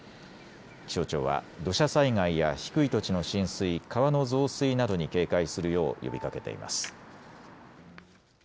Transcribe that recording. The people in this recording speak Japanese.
気象庁は土砂災害や低い土地の浸水、川の増水などに警戒するよう呼びかけています。